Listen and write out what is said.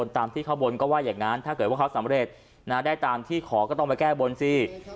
ตามที่เข้าบนอย่างหน้าเขาสำเร็จได้ก็ต้องไปแก้บนสิ